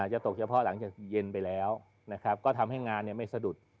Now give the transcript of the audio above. จะตกเฉพาะหลังจากเย็นไปแล้วก็ทำให้งานไม่สะดุด